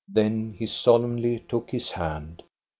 Then he solemnly took his hand.